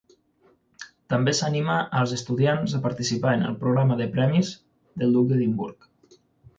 També s'anima els estudiants a participar en el Programa de Premis del Duc d'Edimburg.